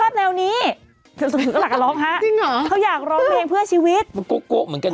มันก๊กเหมือนกันเลย